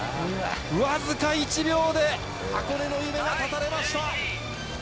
僅か１秒で、箱根の夢が断たれました。